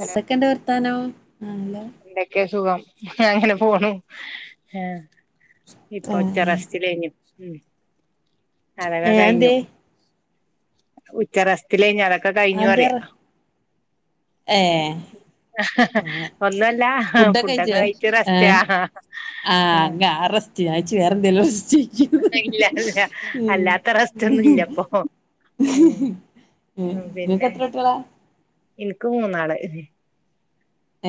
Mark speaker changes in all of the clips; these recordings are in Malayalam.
Speaker 1: ഹലോ
Speaker 2: സെക്കൻഡ് വർത്താനോ
Speaker 1: എന്തൊക്കെ സുഖം അങ്ങനെ പോണു ഏഹ് ഇപ്പൊ ഉച്ച
Speaker 2: ആഹ്
Speaker 1: റസ്റ്റിലേഞ്ഞ് ഉം അതൊക്കെ
Speaker 2: ഏഹ് അതെന്തേ
Speaker 1: കഴിഞ്ഞു ഉച്ച റസ്റ്റ്ലേഞ്ഞ് അതൊക്കെ കഴിഞ്ഞു
Speaker 2: അതെന്തേ
Speaker 1: പറയാ
Speaker 2: പറ ഏഹ്
Speaker 1: ഒന്നല്ല ഫുഡൊക്കെ
Speaker 2: കഴിച്ചില്ലേ
Speaker 1: കഴിച്ച്
Speaker 2: ഏഹ്
Speaker 1: റസ്റ്റാ
Speaker 2: ആഹ് അങ്ങ ആ റസ്റ്റ്‌ ഞാൻ വെച്ച് വേറെ എന്തേലും റസ്റ്റ് ചോയ്ക്കുന്ന്
Speaker 1: ഇല്ല ഇല്ല
Speaker 2: ഉം
Speaker 1: അല്ലാത്ത റസ്റ്റ് ഒന്നുല്ല ഇപ്പൊ ഉം
Speaker 2: ഉം ഇങ്ങക്ക് എത്ര കുട്ട്യാള
Speaker 1: ഇന്ക്ക് മൂന്നാള്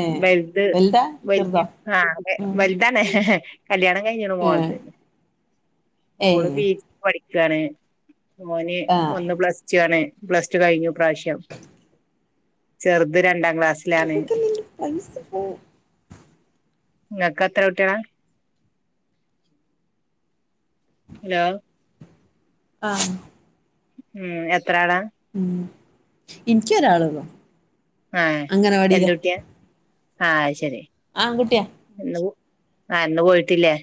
Speaker 2: ഏഹ്
Speaker 1: വലുത്
Speaker 2: വലുതാ ചെറുതോ
Speaker 1: വല്യത്
Speaker 2: ഉം
Speaker 1: നാല് കല്യാണം കഴിഞ്ഞ ഒര്
Speaker 2: ഏഹ്
Speaker 1: മോള്ണ്ട് ഓള്
Speaker 2: ഏഹ്
Speaker 1: പീ ജി പഠിക്കാണ് മോന്
Speaker 2: ആഹ്
Speaker 1: ഒന്ന് പ്ലസ് ടു ആണ് പ്ലസ് ടു കഴിഞ്ഞു ഇപ്രാശ്യം ചെറുത് രണ്ടാം ക്ലാസ്
Speaker 2: ഇൻക്കല്ല ഇന്റെ പൈസ [unintelligible]
Speaker 1: ഇക്കക്ക് എത്ര കുട്ട്യാള ഹലോ
Speaker 2: ആഹ്
Speaker 1: ഉം എത്ര ആളാ
Speaker 2: ഉം ഇനിക്ക് ഒരാളൊള്ളൂ
Speaker 1: ആഹ എന്തുകൂട്ടിയ ആഹ അത്‌ ശെരി
Speaker 2: ആങ്കുട്ട്യാ
Speaker 1: ഇന്ന് ആഹ് ഇന്ന് പോയിട്ടില്ലേ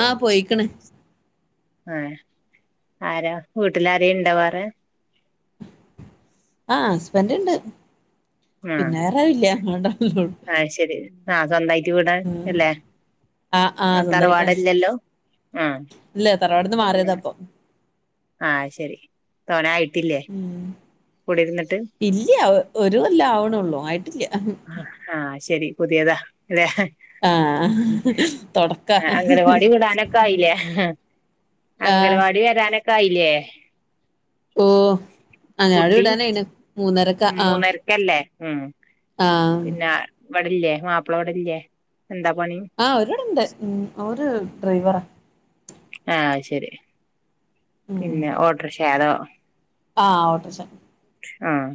Speaker 2: ആഹ പോയിക്ക്ണ്
Speaker 1: ആഹ ആരാ വീട്ടിലാരേ ഇണ്ട വേറെ
Speaker 2: ആഹ് ഹസ്ബന്റ് ഇണ്ട് പിന്നെ വേറൊരുല്ല്യ
Speaker 1: ആഹ് ശരി ആഹ സ്വന്തായിട്ട് വീടാ
Speaker 2: ഉം
Speaker 1: അല്ലേ ആഹ് തറവാടല്ലല്ലോ ആഹ
Speaker 2: ഇല്ല തറവാട്ന്ന്
Speaker 1: പിന്നെ
Speaker 2: മാറിയതാ ഇപ്പം
Speaker 1: ആഹ ശരി തോനായിട്ടില്ലേ കുടി ഇര്ന്നിട്ട്
Speaker 2: ഇല്ല്യ ഒരു കൊല്ലം ആവണൊള്ളൂ ആയിട്ടില്ല
Speaker 1: ആ ആഹ് ശെരി പുതിയതാ ല്ലേ
Speaker 2: ആഹ് തൊടക്കാ
Speaker 1: [inaudible] അംഗലവാടി വിടാനൊക്കെ ആയില്ലേ [unintelligible]
Speaker 2: ആഹ്
Speaker 1: അംഗലവാടി വരാനൊക്കെ ആയില്ലേ
Speaker 2: ഓഹ് അംഗലവാടി വിടാനായിന് മൂന്നരക്ക ആഹ്
Speaker 1: ക്കല്ലേ ഹ്മ്മ്
Speaker 2: ആഹ്
Speaker 1: പിന്നെ ഇവടല്ലേ മാപ്പള ഇവടെല്ലേ, എന്താ പണി
Speaker 2: ആഹ് ഒരിവടെണ്ട് ഹ്മ്മ് ഓര് ഡ്രൈവറാ
Speaker 1: ആഹ് അത് ശെരി
Speaker 2: ഉം
Speaker 1: പിന്നെ ഓട്ടർക്ഷ അതോ
Speaker 2: ആഹ് ഓട്ടർക്ഷ
Speaker 1: ആഹ്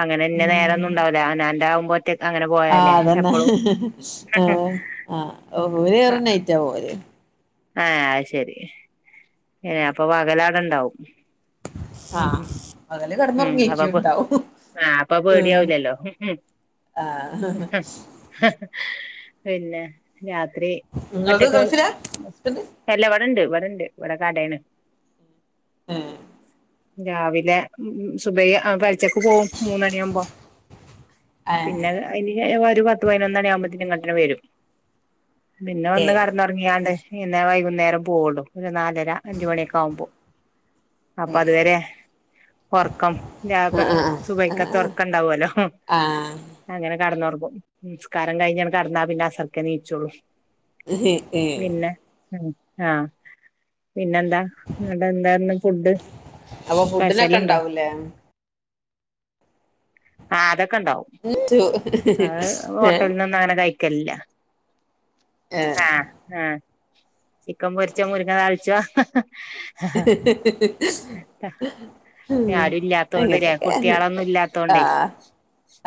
Speaker 1: അങ്ങനെ ഇഞ്ഞ നേര ഒന്നും
Speaker 2: ഉം
Speaker 1: ഉണ്ടാവൂല്ല അവനാന്റാവുമ്പോ ഒറ്റക്ക് അങ്ങനെ പോ
Speaker 2: ആഹ് അതന്നെ ഹേ ആഹ് ഓര് വരാ നൈറ്റാവും ഓര്
Speaker 1: ഏഹ് അത് ശെരി ഏഹ് അപ്പ പകലവിടെ ണ്ടാവും
Speaker 2: ആഹ്
Speaker 1: ഹ്മ്മ്
Speaker 2: പകല്
Speaker 1: ഹ്മ്മ്
Speaker 2: കെടന്നൊറങ്ങേയ്ക്കും
Speaker 1: അപ്പ
Speaker 2: ഇണ്ടാവും
Speaker 1: ആഹ് അപ്പ
Speaker 2: ഉം
Speaker 1: പേടിയാവലല്ലോ
Speaker 2: ആഹ് [inaudible]
Speaker 1: [inaudible] പിന്നെ രാത്രി
Speaker 2: ഇങ്ങളത്
Speaker 1: ഒറ്റക്ക്
Speaker 2: ഗൾഫിലാ ഹസ്ബൻഡ്
Speaker 1: അല്ല ഇവടണ്ട്, ഇവടണ്ട് ഇവടെ കടേണ്.
Speaker 2: ഏഹ്
Speaker 1: രാവിലെ ഹ്മ്മ് സുബഹി, പെൽചക്ക് പോവും മൂന്നണിയാവുമ്പോ
Speaker 2: ആ
Speaker 1: [inaudible] പിന്നെ അയിന് ശേ ഒര് പത്ത് പതിനൊന്നണിയാവുമ്പോത്തിന് ഇങ്ങട്ടഞ്ഞെ വെരും. പിന്നെ
Speaker 2: ഏ
Speaker 1: വന്ന് കടന്നോ റങ്ങിയാണ്ട് പിന്നെ വൈകുന്നേരം പോവൊള്ളൂ ഒരു നാലര അഞ്ച് മണിയൊക്കെ ആവുമ്പോ അപ്പ
Speaker 2: ഏ
Speaker 1: അത് വരെ ഒറക്കം രാ പാ
Speaker 2: ആ
Speaker 1: സുബയി
Speaker 2: ആ ആ
Speaker 1: ക്കത്തെ ഒറക്കണ്ടാവല്ലോ
Speaker 2: ആ
Speaker 1: അങ്ങനെ കടന്നോർങ്ങും നിസ്കാരം കഴിഞ്ഞങ്ങട്ട് കടന്നാ പിന്നെ അസർക്കെ നീച്ചോള്ളൂ
Speaker 2: ഏ ഏ
Speaker 1: പിന്നെ ഹ്മ്മ് ആഹ്. പിന്നെന്താ ഇങ്ങട്ട് എന്തായിരുന്നു ഫുഡ്
Speaker 2: അപ്പൊ
Speaker 1: സ്പെഷ്യൽ
Speaker 2: ഫുഡിനൊക്കെ
Speaker 1: ഉണ്ടോ
Speaker 2: ഇണ്ടാവൂലേ
Speaker 1: ആഹ് അതൊക്കെ ഇണ്ടാവും. അത്
Speaker 2: ഏ
Speaker 1: ഹോട്ടലിൽനൊന്നും അങ്ങനെ കഴി ക്കല്ലാ.
Speaker 2: ഏ
Speaker 1: ആഹ് ആഹ് ചിക്കം പൊരിച്ചോ മുരിങ്ങ താളിച്ചാ ആഹ്
Speaker 2: [inaudible]
Speaker 1: ആരും ഇല്ലാത്തോണ്ട്
Speaker 2: അങ്ങനൊക്കെതന്നെ
Speaker 1: കുട്ടികളൊന്നും ഇല്ലാത്തോണ്ടേ
Speaker 2: ആഹ്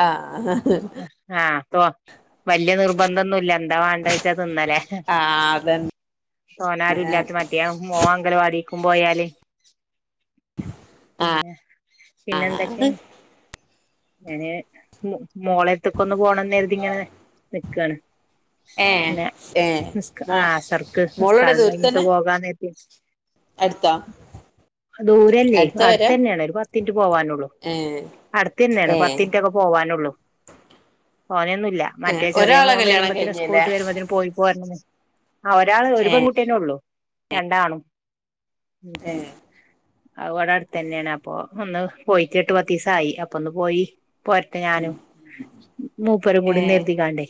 Speaker 2: ആഹ്
Speaker 1: ആഹ് തോ വല്യ നിർബന്ധൊന്നുല്ല എന്താ വണ്ടേച്ചാ തിന്നലേ
Speaker 2: ആ അതന്നെ
Speaker 1: തോനാരും ഇല്ലാത്ത മതിയാ മോൻ അംഗലവാടിക്കും പോയാല് പിന്നെ പിന്നെന്തൊക്കെ ഞാന് മോ മോളട്ത്ത്ക്കൊന്ന് പോണംന്നെരുതി ഇങ്ങനെ നിക്കാണ്.
Speaker 2: ഏ
Speaker 1: പിന്നെ
Speaker 2: ഏ
Speaker 1: നിസ്കാ
Speaker 2: മോ
Speaker 1: ആഹ് അസർക്ക്
Speaker 2: മോളോടെ
Speaker 1: നിസ്കാലം കഴിഞ്ഞിട്ട് പോകാന്ന് കരുതി
Speaker 2: അട്ത്തോ
Speaker 1: ദൂരല്ലേ അടുത്തന്നെയാണ് ഒരു പത്തിന്റ് പോവാനൊള്ളൂ.
Speaker 2: ഏഹ്
Speaker 1: അടുത്തന്നെയാണ് പത്തിന്റൊക്കെ പോവാനൊള്ളൂ. തോനെന്നുംല്ല
Speaker 2: ഏ
Speaker 1: മറ്റേ ചെറിയ
Speaker 2: ഒരാളെ
Speaker 1: മോൻ
Speaker 2: കല്യാണം
Speaker 1: വരുമ്പത്തിന്
Speaker 2: കഴിഞ്ഞല്ലേ
Speaker 1: സ്കൂള്ട്ട് വരുമ്പത്തിന് പോയി പോരണം വിചാ ഒരാള് ഒരു
Speaker 2: ഏ
Speaker 1: പെൺകുട്ടിയന്നെ ഒള്ളു രണ്ടാണും
Speaker 2: ഏ
Speaker 1: അത് ഇവടെ അടുത്തന്നെയാണ്. അപ്പൊ ഒന്ന് പോയിട്ട് എട്ട് പത്തീസായി അപ്പൊന്ന് പോയി പോരത്തെ ഞാനും, മൂപ്പരും കൂടി
Speaker 2: ഏ
Speaker 1: നെര്തിക്കാണ്ടേ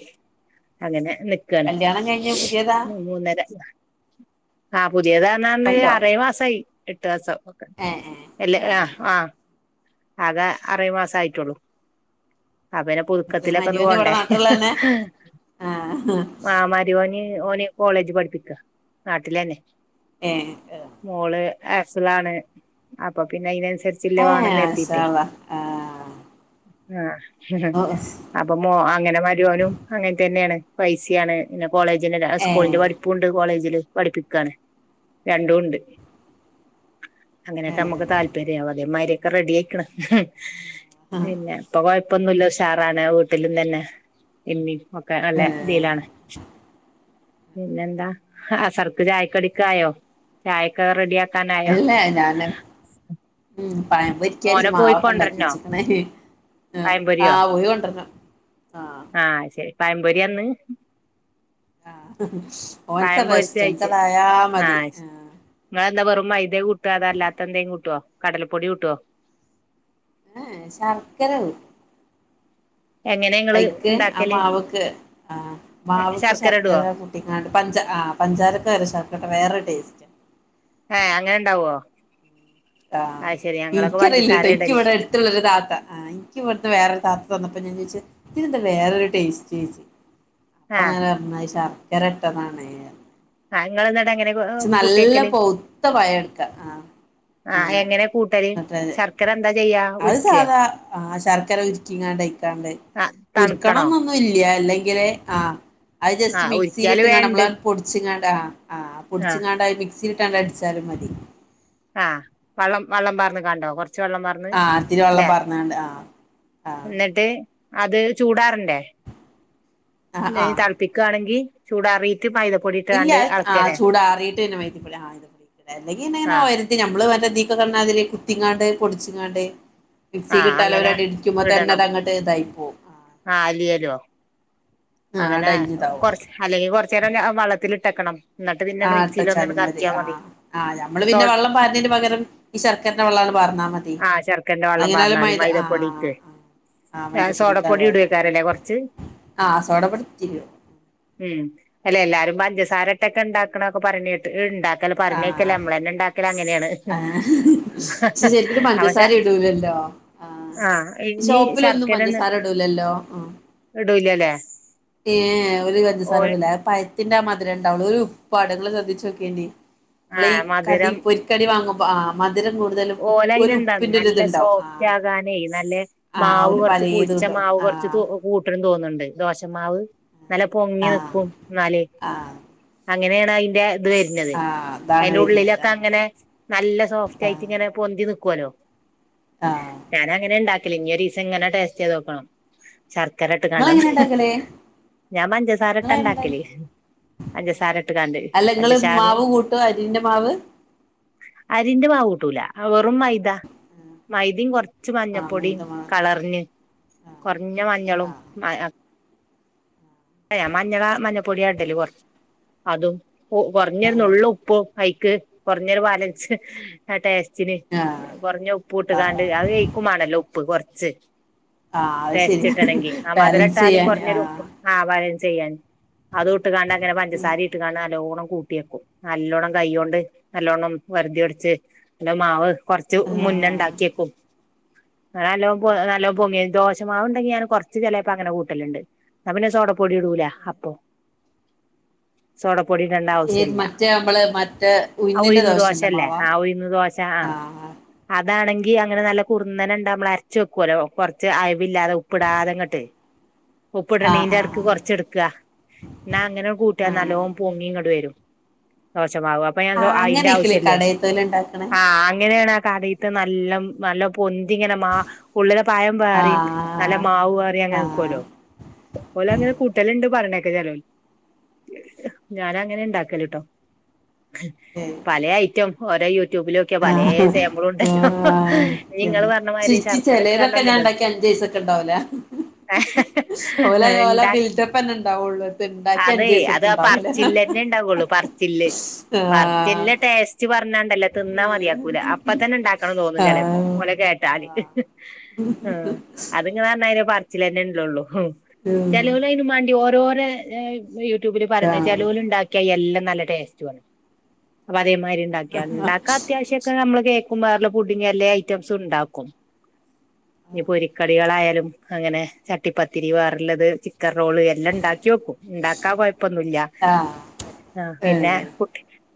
Speaker 1: അങ്ങനെ നി ക്കാണ്.
Speaker 2: കല്യാണം കഴിഞ്ഞ് പുതിയതാ
Speaker 1: [inaudible] മൂന്നര ആഹ് പുതിയതന്നാറഞ്ഞാന്ന് ആറേഴ്‌ മാസായി എട്ടാസം ഒക്കെ
Speaker 2: ഏഹ്.
Speaker 1: എല്ലേ ആ ഹ്ആഹ് ആകെ അറേഴ് മാസം ആയിട്ടുള്ളൂ അ പിന്നെ
Speaker 2: ആ
Speaker 1: പുതുക്കത്തിലക്ക
Speaker 2: മരുമോന് ഇവിടെ
Speaker 1: പോണ്ടേ
Speaker 2: നാട്ടിലുള്ള തന്നെ
Speaker 1: ഹ
Speaker 2: ആ
Speaker 1: ഹ ആഹ് മരി മോന് ഓന് കോളേജ് പഠിപ്പിക്ക നാട്ടില് തന്നെ
Speaker 2: ഏ [unintelligible]
Speaker 1: മോള് ആസലാണ് അപ്പൊ പിന്നെ അതിനനുസരിച്ച് ചില്ലവാണെന്ന്
Speaker 2: മാഷാ
Speaker 1: കരുതിട്ടേ
Speaker 2: അള്ളാ ആ
Speaker 1: ആ
Speaker 2: ഓ
Speaker 1: അപ്പൊ മോ അങ്ങനെ മരുമോനും അങ്ങനെ തന്നെയാണ് പൈസയാണ് പിന്നെ കോളേജിന്റെ അല്ല
Speaker 2: ഏ
Speaker 1: സ്കൂന്റെ പഠി പ്പൂണ്ട് കോളേജില് പഠിപ്പിക്കാണ് രണ്ടും ഉണ്ട്
Speaker 2: ഏ
Speaker 1: അങ്ങനെയൊക്കെ നമുക്ക് താല്പര്യവും അതേമാതിരിക്കെ റെഡി ആയിക്കണ് പിന്നെ ഇപ്പൊ കുഴപ്പൊന്നുമില്ല ഉ ഷാറാണ് വീട്ടിൽ നിന്ന തന്നെ ഇന്നീ ഒക്കെ നല്ല
Speaker 2: ഏ
Speaker 1: രീതിയിലാണ് പിന്നെന്താ അസർക്ക് ചായക്ക അടിക്കായോ ചായക്കെ റെഡിയ ആക്കാനായോ
Speaker 2: ഇല്ല ഞാന് ഉം പയം പൊരിക്കച്ച
Speaker 1: മോനെ പോയി കൊണ്ടരണോ
Speaker 2: മാവൊക്കെണ്ടാക്കിച്ചക്കന ആ
Speaker 1: പഴംപൊരിയോ
Speaker 2: പോയി കൊണ്ടുവരണം
Speaker 1: ആഹ് ശരി പഴമ്പൊരി ഇന്ന്
Speaker 2: ആ ഓൻ
Speaker 1: പഴം
Speaker 2: ക്കതാ
Speaker 1: പൊരിച്ച
Speaker 2: ഇഷ്ടം എനിക്കതായാ മതി
Speaker 1: നിങ്ങെന്താ വെറുംമൈതേ കൂട്ടുക അത അല്ലാത്ത എന്തേ കൂട്ടുവോ കടലപ്പൊടി കൂട്ടോ
Speaker 2: ഏ ശർക്കര കൂട്ടും
Speaker 1: എങ്ങനെ ഇങ്ങള്
Speaker 2: അഐക്ക് ആ
Speaker 1: ഇണ്ടാക്കല്
Speaker 2: മാവക്ക് ആ മാവക്ക് ശർക്കര കൂട്ടും കുട്ടിങ്ങാണ്ട് പഞ്ച പഞ്ചാരക്ക് പകരം ശർക്കര ഇട്ടാൽ ഇടവേറെ ഒരു ടേസ്റ്റാ
Speaker 1: ഏ അങ്ങനെ ഉണ്ടാവോ
Speaker 2: ആഹ് ഇനിക്കറിയില്ല
Speaker 1: പഞ്ചസാര
Speaker 2: കേട്ടോ ഇക്ക്
Speaker 1: ഇടല്
Speaker 2: ഇവിടെ അടുത്തുള്ള ഒരു താത്ത എനിക്ക് ഇവിടുന്ന് വേറെരു താത്ത തന്നപ്പോൾ ഞാൻ ചോദിച്ചു ഇതിനെന്ത വേറൊരുടേസ്റ്റ് ചോദിച്ചു അപ്പൊ
Speaker 1: ആഹ്
Speaker 2: അങ്ങനെ പറഞ്ഞത് ശർക്കര ഇട്ടതാണ്
Speaker 1: ആ നിങ്ങള് എന്നിട്ട് അങ്ങനെ
Speaker 2: ച്ച് നല്ല പവ്ത്ത പയം എടുക്കാ ആ
Speaker 1: ആഹ്
Speaker 2: അങ്ങനെ
Speaker 1: എങ്ങനെ കൂട്ടല്
Speaker 2: മറ്റേ
Speaker 1: ശർക്കര എന്താ ചെയ്യാ
Speaker 2: അത്
Speaker 1: ഉരുക്കേ
Speaker 2: സാധാ ആ ശർക്കര ഉരിക്കിങ്ങാണ്ടെ ക്കാണ്
Speaker 1: ആഹ് തണുക്കണോ
Speaker 2: ഉര്ക്കണംന്നൊന്നും ഇല്ല അല്ലെങ്കില് ആഹ് അത് ജസ്റ്റ്
Speaker 1: ആഹ്
Speaker 2: മിക്സിയിൽ
Speaker 1: ഉരുക്കിയാല്
Speaker 2: ഇട്ട്
Speaker 1: വേം ഇണ്ട്
Speaker 2: കാണമ്മള് പൊടിച്ചിങ്ങാണ്ട് ആ ഹ്ആഹ്
Speaker 1: ആഹ്
Speaker 2: പൊടിച്ചിങ്ങാണ്ട് അത് മിക്സിയില് ഇട്ട് അടിച്ചാലും മതി
Speaker 1: ആ വള്ളം വള്ളം പാർന്ന്ങ്ങാണ്ട് കൊറച്ച് വെള്ളം പറ
Speaker 2: ആ ഇത്തിരി വെള്ളം
Speaker 1: ന്ന്ല്ലേ
Speaker 2: പാർന്നാണ്ട് ആ ആ
Speaker 1: എന്നിട്ട് അത് ചൂടാറണ്ടേ
Speaker 2: ആ ആ
Speaker 1: തണുപ്പിക്കുകയാണെങ്കിൽ ചൂടാറിയിട്ട് മൈദ പൊടി
Speaker 2: ഇല്ല അത് ആ ചൂടാറിയിട്ട്ന്നെ മൈത പൊടി
Speaker 1: ആഹ്
Speaker 2: അല്ലെക്കിൽങ്ങനെ നമ്മള് മറ്റേ ഇതിക്കെ കാണണ മാതിരി കുത്തിങ്ങാണ്ട് പൊടിച്ചിങ്ങാണ്ട് മിക്സിയില്
Speaker 1: ആഹ്
Speaker 2: ഇട്ട് ഒര്
Speaker 1: അങ്ങനെ
Speaker 2: അടി അടിക്കുമ്പോൾ തന്നെ അങ്ങോട്ട് ഇതായിപ്പോവും
Speaker 1: ആ അലിയലോ
Speaker 2: ആ
Speaker 1: അങ്ങനെ
Speaker 2: ആണ്ട് അലിഞ്ഞിതാവും
Speaker 1: കൊറച്ച് അല്ലെങ്കില് കൊറച്ച് നേരം വള്ളത്തിലിട്ടക്കണം എന്നിട്ട് പിന്ന
Speaker 2: ആഹ്
Speaker 1: മിക്സിൽ ഒന്ന്
Speaker 2: ഇട്ടച്ചാലും
Speaker 1: കറക്കിയാൽ മതി
Speaker 2: ആഹ് ആഹ് ഞമ്മള് പിന്നെ
Speaker 1: സോൾ
Speaker 2: വെള്ളം പാരുന്നതിന് പകരം ഈ ശർക്കരന്റെ വെള്ളാണ് പാർന്നാ മതി
Speaker 1: ആ ശർക്കന്റെ വെള്ളം പറഞ്ഞാ
Speaker 2: നമ്മളെങ്ങനായാലും
Speaker 1: മതി
Speaker 2: മൈദ ആഹ്
Speaker 1: മൈദപ്പൊടിക്ക്
Speaker 2: ആഹ് ആഹ്
Speaker 1: ആ സോഡപ്പൊടി ഇടു ക്കാറല്ലേ കുറച്ച്
Speaker 2: ആ സോഡാ പൊടി ഇത്തിരി വേണം
Speaker 1: ഉം അല്ല എല്ലാരും പഞ്ചസാരട്ടൊക്കെ ഉണ്ടാക്കണൊക്കെ പറയണ കേട്ടു ഉണ്ടാക്കല് പറഞ് കേക്കല്
Speaker 2: ആഹ്
Speaker 1: നമ്മള് തന്നെ ഉണ്ടാക്കല് അങ്ങനെയാണ്
Speaker 2: ആഹ് പക്ഷെ ശരിക്കിനും
Speaker 1: ശ
Speaker 2: പഞ്ചസാര ഇടൂലല്ലോ ആ
Speaker 1: ഇനി
Speaker 2: ഷോപ്പിലൊന്നും
Speaker 1: ശർക്കര
Speaker 2: പഞ്ചസാര
Speaker 1: എന്നിട്ട്
Speaker 2: ഇടൂലല്ലോ ആ
Speaker 1: ഇടൂലല്ലേ
Speaker 2: ഏ ഓര്
Speaker 1: ഓ
Speaker 2: പഞ്ചസാരഇടൂല്ല പ ഴത്തിന്റെ ആ മധുരംണ്ടാവുള്ളു ഒരു പടങ്ങൾ ശ്രദ്ധിച്ച് നോക്കേണ്ടി
Speaker 1: ആ
Speaker 2: നമ്മള് ഈ കടി
Speaker 1: മധുരം
Speaker 2: പൊരി കടി വാങ്ങുമ്പോ ആ മധുരം കൂ
Speaker 1: ഓല അന് എന്താന്ന നല്ല സോഫ്റ്റ്
Speaker 2: ആഹ്
Speaker 1: ആകാനേ നല്ല
Speaker 2: ആഹ്
Speaker 1: മാവ്
Speaker 2: ഓല്
Speaker 1: കുറച്ച് പുളി
Speaker 2: പലേത്
Speaker 1: പിളിച്ച
Speaker 2: കിട്ടും
Speaker 1: മാവ് കുറച്ചു
Speaker 2: ആഹ്
Speaker 1: കൂട്ടും തോന്നുന്നുണ്ട് ദോശമാവ് നല്ല പൊങ്ങി
Speaker 2: ആഹ്
Speaker 1: നിക്കും എന്നാല്
Speaker 2: ആഹ്
Speaker 1: അങ്ങനെയാണ് അതിന്റെ ഇത് വരുന്നത്
Speaker 2: ആഹ് അതാണ്
Speaker 1: അതിന്റെ
Speaker 2: വരുന്നത്
Speaker 1: ഉള്ളിലൊക്കെ
Speaker 2: ആഹ്
Speaker 1: അങ്ങനെ നല്ല സോഫ്റ്റ് ആയിട്ട് ഇങ്ങനെ പൊന്തി നിക്കുവല്ലോ
Speaker 2: ആഹ
Speaker 1: ഞാനങ്ങനെയാ ഉണ്ടാക്കല് ഇനി ഒരു ദിവസം ഇങ്ങനെ ടെസ്റ്റ് ചെയ്ത് നോക്കണം ശർക്കര ഇട്ട കണ്ടന്ന്
Speaker 2: നിങ്ങളെങ്ങനെ ഉണ്ടാക്കല്
Speaker 1: ഞാൻ പഞ്ചസാര ഇട്ട
Speaker 2: നിങ്ങളെങ്ങനെ ഉണ്ടാ
Speaker 1: ഉണ്ടാക്കല് പഞ്ചസാര ഇട്ട് കാണ്ട്
Speaker 2: അല്ല നിങ്ങള്
Speaker 1: പഞ്ചസാറ്
Speaker 2: മാവ് കൂട്ടുവോ അരിന്റെ മാവ്
Speaker 1: അരിന്റെ മാവൂട്ടൂല വെറും മൈദാ മൈദേമ് കുറച്ച് കുറച്ച്
Speaker 2: ആഹ്
Speaker 1: മഞ്ഞപ്പൊടിയും
Speaker 2: മൈദമാവ്
Speaker 1: കളറിനു
Speaker 2: ആഹ്
Speaker 1: കുറഞ്ഞ മഞ്ഞളും
Speaker 2: ആഹ്
Speaker 1: അയാ മഞ്ഞള് മഞ്ഞപ്പൊടിയാടല് കുറച്ച് അതും
Speaker 2: ആഹ്
Speaker 1: കുറഞ്ഞഒരുന്നുള്ള് ഉപ്പും കൈക്ക് കുറഞ്ഞൊരു ബാലൻസ് ആ ടേസ്റ്റിന്
Speaker 2: ആഹ്
Speaker 1: കൊറഞ്ഞ ഉപ്പ്
Speaker 2: ആഹ്
Speaker 1: ഇട്ടുകാണ്ട്
Speaker 2: ആഹ്
Speaker 1: അത്
Speaker 2: ആഹ്
Speaker 1: ക ഉപ്പുമാണല്ലോ ഉപ്പ് കുറച്ച്
Speaker 2: അത് ശരിയാ
Speaker 1: ടേസ്റ്റ്കിട്ടണമെങ്കി ആ മധുരം
Speaker 2: ബാലൻസ്
Speaker 1: ഇട്ടാലും
Speaker 2: ചെയ്യാന്
Speaker 1: കുറഞ്ഞൊരു ഉപ്പ്
Speaker 2: ആഹ്
Speaker 1: ആ ബാലൻസ് ചെയ്യാൻ അത് ഇട്ട് കാണ്ട് അങ്ങനെ പഞ്ചസാര ഇട്ട് കാണ്ട് നല്ലോണം കൂട്ടിയക്കും നല്ലോണം കൈ കൊണ്ട് നല്ലോണ്ണം വറുതി പിടിച്ച് അല്ലോ മാവ് കൊറച്ച് മുന്ന
Speaker 2: ആഹ്
Speaker 1: ഉണ്ടാക്കിവയ്ക്കും നല്ലോ നല്ലോ പൊങ്ങിയ ദോഷമാവുണ്ടെങ്കി ഞാൻ കൊറച്ച് ചിലപ്പോ അങ്ങനെ കൂട്ടലുണ്ട് ന്നാ പിന്നെ സോടപ്പൊടി ഇടൂല അപ്പൊ സോടപ്പൊടി ഇടേണ്ട
Speaker 2: ഏത്
Speaker 1: ആവശ്യംല്ല
Speaker 2: മറ്റേ നമ്മള് മറ്റേ
Speaker 1: ആ
Speaker 2: ഉഴുന്നിന്റെ
Speaker 1: ഉഴ്ന്ന്
Speaker 2: ദോശന്റെ
Speaker 1: ദോശല്ലേ
Speaker 2: മാവാ
Speaker 1: ആ ഉഴ്ന്ന് ദോശ ച്ച
Speaker 2: ആഹ്
Speaker 1: അതാണെങ്കി അങ്ങനെ നല്ല കുറുന്നനെ ഉണ്ടാ നമ്മള് അരച്ച് വെക്കുവല്ലോ കുറച്ച് അയവില്ലാതെ ഉപ്പിടാതെ അങ്ങോട്ട്
Speaker 2: ആഹ്
Speaker 1: ഉപ്പിടണീന്റെ അടക്ക്
Speaker 2: ആഹ്
Speaker 1: കുറച്ച് എടുക്കുക എന്നാ അങ്ങനെ കൂട്ടിയാ
Speaker 2: ആഹ്
Speaker 1: നല്ലോ
Speaker 2: ആഹ്
Speaker 1: പൊങ്ങി ഇങ്ങോടി വരും ദോശമാവും അപ്പൊ ഞാൻ
Speaker 2: ആഹ്
Speaker 1: അതിന്റെ
Speaker 2: അങ്ങനെയൊക്കെല്ലേ
Speaker 1: ആവശ്യല്ല
Speaker 2: കടയത്തോല് ഉണ്ടാക്കണേ
Speaker 1: ആ അങ്ങനെയാണ് നല്ല നല്ല പൊന്തിങ്ങനെ മാ ഉള്ളിലെ പയം വേറിയും നല്ല
Speaker 2: ആഹ്
Speaker 1: മാവ് പേറ അങ്ങനെ
Speaker 2: ആഹ്
Speaker 1: നക്കുവല്ലോ പോഓലെ അങ്ങനെ കൂട്ടലുണ്ട് പറഞ്ഞേക്കെ ചലോൽ ഞാന അങ്ങനെ ഇണ്ടാക്കലട്ടോ
Speaker 2: ഉം
Speaker 1: പലയ ഐറ്റം ഓരോ യ യൂട്യൂബില ഒക്കെയ പലേ
Speaker 2: ആഹ്
Speaker 1: സേമ്പിളും ഉണ്ടല്ലോ
Speaker 2: ആഹ്
Speaker 1: നിങ്ങള്
Speaker 2: ആഹ്
Speaker 1: പറഞ്ഞമാതിരി ശർക്കര ഇട്ട് കണ്ടന്നണ്ടോ
Speaker 2: ഉണ്ടാവലേ
Speaker 1: ആഹ
Speaker 2: അലെഓല ബിൽഡപ്പ് തന്നെ ഇണ്ടാവള്ളൂ ഉണ്ടാക്കി
Speaker 1: അതെ
Speaker 2: അഞ്ചദിവസം
Speaker 1: അത്
Speaker 2: ഒക്കെ
Speaker 1: ആ
Speaker 2: ഉണ്ടാവൂല
Speaker 1: പറച്ചില്ലന്നെ ഉണ്ടാവുള്ളു
Speaker 2: ആഹ
Speaker 1: ടസ്റ്റ് പറഞ്ഞ ല്ല തിന്നാ മതിയാക്കൂല അപ്പ തന്നെ ഉണ്ടാക്കണം തോന്നും ചില ഇപ്പോ
Speaker 2: ആഹ്
Speaker 1: ഓല കേട്ടാല് അത്ങ്ങെ പറഞ്ഞ അതി പറിച്ചില തന്നെ ഉണ്ടള്ളള്ളൂ ചലവ അതിനന് മാണ്ടി ഓരോരോ ട്യൂബിൽ പറയണേ
Speaker 2: ആഹ്
Speaker 1: ചെലവല് ഉണ്ടാക്കിയാൽ എല്ലാം നല്ല ടെസ്റ്റ്‌ അപ്പൊ അതെ മാതിരി ണ്ടാക്ക ഉണ്ടാക്ക അത്യാവശ്യംക്കെ നമ്മള് കേൾക്കുമ വേറ ഫുഡിങ് എല്ലേ ഐറ്റംസ് ഉണ്ടാക്കും പൊരിക്കടികളായാലും അങ്ങനെ ചട്ടിപ്പത്തി ഒത്തിരി വേറുള്ളത് ചിക്കൻ റോള് എല്ലാം ഉണ്ടാക്കി വോക്കും ഉണ്ടാക്കാ പോയപ്പൊന്നുമല്ല
Speaker 2: ആഹ് ആഹ്
Speaker 1: ആഹ പിന്നെ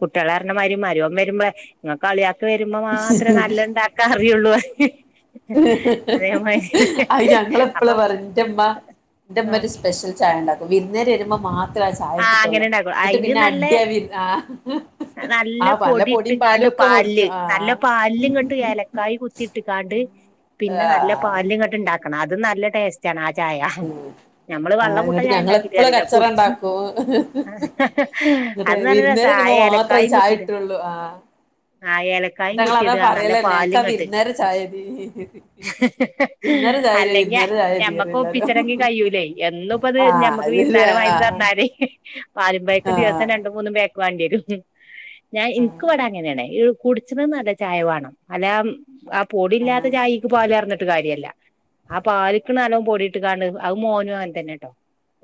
Speaker 1: കുട്ടികളാരണമാരി മരുവൻ വരുമ്പോ നിങ്ങ കളിയാക്കെ വരുമ്പോ മാത്രമേ
Speaker 2: ഏഹ്
Speaker 1: നല്ല ഉണ്ടാക്കാ അറിയുള്ളൂ അതേമാതിരി
Speaker 2: അത് ഞങ്ങളെപ്പള
Speaker 1: അപ്പൊ
Speaker 2: പറമ്മ
Speaker 1: ആ
Speaker 2: ന്റെമ്മേ ഒരു സ്പെഷ്യൽ ചായ ഉണ്ടാക്കും വിരുന്നേം വരുമ്പോ മാത്രം ആ ചായ
Speaker 1: അങ്ങനെ ഉണ്ടാക്കും
Speaker 2: എന്ന
Speaker 1: അയിന്
Speaker 2: പിന്നെ അടി
Speaker 1: നല്ല
Speaker 2: യാ വിർ
Speaker 1: നല്ല പൊടി ഇട്ടിക്കാണ്ട് പാല്ല്
Speaker 2: മേടിക്കും ആ
Speaker 1: നല്ല പാ ഇങ്ങോട്ട് ഏലക്കായി കുത്തിട്ട് ട്ട് കാട്ട്
Speaker 2: ആ
Speaker 1: പിന്നെ നല്ല പാലും ഇങ്ങട്ട് ഇണ്ടാക്കണം അതും നല്ല ടേസ് ച്ചാണാ ചായ
Speaker 2: ഉം
Speaker 1: നമ്മള് വെള്ളം കൂട്ട ചായ ഇണ്ടാക്കി [unintelligible] കുടിച്ച്
Speaker 2: ഓഹ്
Speaker 1: അത് നല്ല രസാ
Speaker 2: മാത്രേ
Speaker 1: ഏലക്കായ
Speaker 2: ഈ ചായ
Speaker 1: കുത്തിടും
Speaker 2: കിട്ടുള്ളൂ ആ
Speaker 1: ആ ഏല ക്കായും
Speaker 2: എന്നിട്ട് ഞങ്ങളതാ
Speaker 1: കുത്തിടുക നല്ല
Speaker 2: പറയലന്നെ
Speaker 1: പാലും
Speaker 2: ഞങ്ങക്കാ
Speaker 1: ഇങ്ങട്ട്
Speaker 2: വിരുന്നേരെ ചായ മതി വിരുന്നേരെ ചായ തരോ
Speaker 1: അല്ലെങ്കി
Speaker 2: വിരുന്നേരെ ചായ തരോ
Speaker 1: ഞമ്മക്ക്
Speaker 2: എല്ലാരും
Speaker 1: ഒപ്പിച്ചരാങ്കി കഴിയുലേ എന്നും അപ്പത്
Speaker 2: ആ
Speaker 1: ഞമക്ക്
Speaker 2: അത് ശരിയാ
Speaker 1: വൈകുന്നേരം വൈ
Speaker 2: ആ
Speaker 1: എന്നാല് പാലും പയേക്കെ ദിവസം
Speaker 2: ആഹ്
Speaker 1: രണ്ടും മൂന്നും ബേക്ക് വേണ്ടി വരും ഞാൻ
Speaker 2: ആഹ്
Speaker 1: ഇൻക്കിവിട അങ്ങനെയണേ കുടിച്ചത് നല്ല ചായ വേണം അല്ല പൊടില്ലാത്ത
Speaker 2: ആഹ്
Speaker 1: ചായിക്ക് പാല് കറന്നിട്ട് കാര്യല്ല ആ പാലിക്കണ് നല്ലോ പൊടിട്ട് കാണ്ട് അത് മോന് മോൻ തന്നെട്ടോ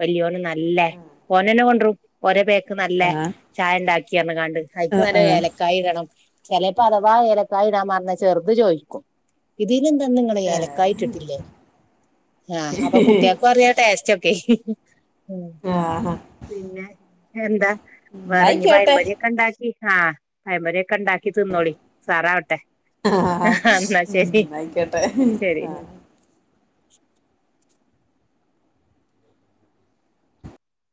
Speaker 1: വലിയോന് നല്ലേ ഓനന്നെ കൊണ്ടരും ഒരേ പേക്ക് നല്ലേ
Speaker 2: ആഹ്
Speaker 1: ചായ ഇണ്ടാക്കിയാന്ന് കാണ്ട് കൈക്ക്
Speaker 2: ആഹ്
Speaker 1: നല്ല
Speaker 2: ആഹ്
Speaker 1: ഏല ചായ ഇടണം ചിലപ്പോ അഥവാ ഏലക്കായ ഇടാൻ മറന്ന ചെറുത് ചോയിക്കും ഇതീന്ന് എന്താ നിങ്ങള് ഏലക്കായ
Speaker 2: ഏഹ്
Speaker 1: ഇട്ടിട്ടില്ലേ ആഹ് അപ്പൊ കുട്ടികൾക്ക് അറിയാ ടേസ്റ്റ് ഒക്കെ
Speaker 2: ആഹ് ആഹ്
Speaker 1: പിന്നെ എന്താ വേറെഞ്ഞി
Speaker 2: ന്നായിക്കോട്ടെ
Speaker 1: പയമ്പൊലിയൊക്കെ ഇണ്ടാക്കി ആഹ് പയമ്പൊലിക്കെ ഇണ്ടാക്കി ക്കി തിന്നോളി സാറാവട്ടെ
Speaker 2: ആഹ്
Speaker 1: എന്നാ
Speaker 2: ഉം
Speaker 1: ശരി
Speaker 2: ആയിക്കോട്ടെ
Speaker 1: ശരി
Speaker 2: ആഹ്